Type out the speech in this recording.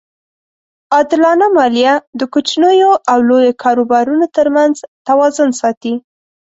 عادلانه مالیه د کوچنیو او لویو کاروبارونو ترمنځ توازن ساتي.